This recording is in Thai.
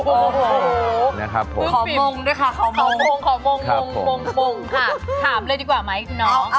โอ้โหขอมงด้วยค่ะขอมง